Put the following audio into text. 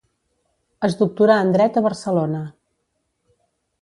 Es doctorà en Dret a Barcelona.